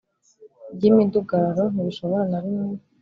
By imidugararo ntibishobora na rimwe